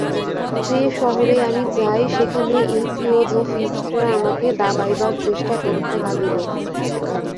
যে-শহরেই আমি যাই, সেখানেই এই থিওজফিস্টরা আমাকে দাবাইবার চেষ্টা করিতে লাগিল।